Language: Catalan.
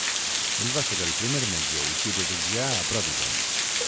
Ell va ser el primer metge i cirurgià a Providence.